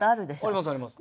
ありますあります。